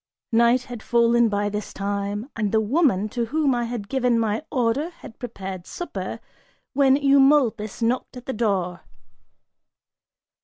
Night had fallen by this time, and the woman to whom I had given my order had prepared supper, when Eumolpus knocked at the door.